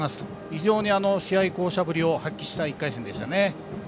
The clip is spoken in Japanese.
非常に試合巧者ぶりを発揮した１回戦でしたね。